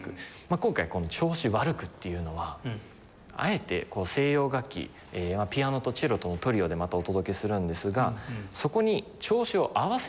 今回この「調子悪く」っていうのはあえて西洋楽器ピアノとチェロとのトリオでまたお届けするんですがそこに調子を合わせず。